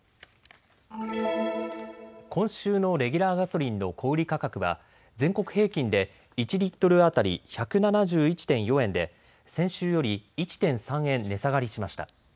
今週のレギュラーガソリンの小売価格は全国平均で１リットル当たり１７１．４円で先週より１．３円値下がりしました。